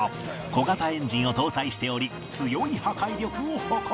小型エンジンを搭載しており強い破壊力を誇る